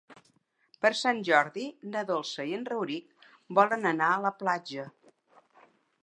Per Sant Jordi na Dolça i en Rauric volen anar a la platja.